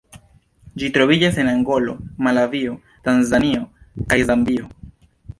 Ĝi troviĝas en Angolo, Malavio, Tanzanio kaj Zambio.